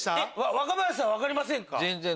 若林さん分かりませんか？